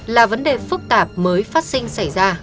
là vấn đề phức tạp mới phát sinh xảy ra